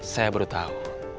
saya baru tahu